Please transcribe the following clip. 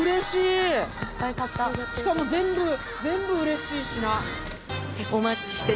しかも全部うれしい品。